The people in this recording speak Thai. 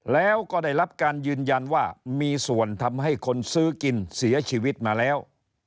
แล้วก็ได้รับการยืนยันว่ามีส่วนทำให้คนซื้อกินเสียชีวิตมาแล้ว